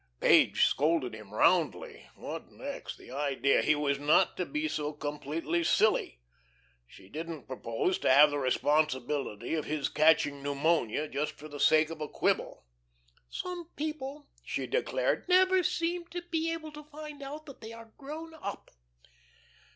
Page scolded him roundly. What next? The idea. He was not to be so completely silly. She didn't propose to have the responsibility of his catching pneumonia just for the sake of a quibble. "Some people," she declared, "never seemed to be able to find out that they are grown up."